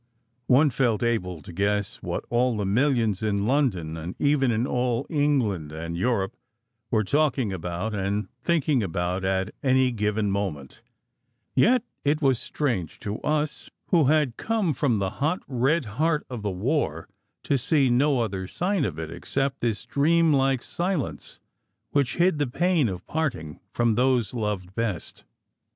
One felt able to guess what all the millions in London and even in all England and Europe were talking about and thinking about at any given moment; yet it was strange to us who had come from the hot red heart of the war to see no other sign of it except this dreamlike silence which hid the pain of parting from those loved best.